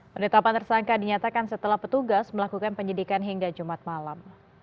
penetapan tersangka dinyatakan setelah petugas melakukan penyidikan hingga jumat malam